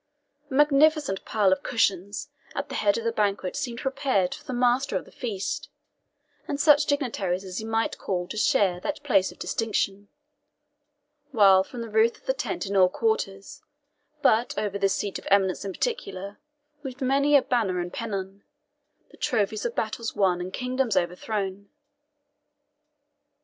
A magnificent pile of cushions at the head of the banquet seemed prepared for the master of the feast, and such dignitaries as he might call to share that place of distinction; while from the roof of the tent in all quarters, but over this seat of eminence in particular, waved many a banner and pennon, the trophies of battles won and kingdoms overthrown.